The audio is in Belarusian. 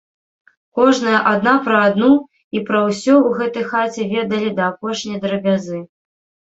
Кожная адна пра адну і пра ўсё ў гэтай хаце ведалі да апошняй драбязы.